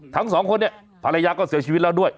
ทั้งสองคนเนี่ยภรรยาก็เสียชีวิตแล้วด้วย